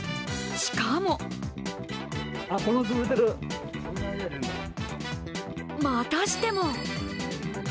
しかもまたしても。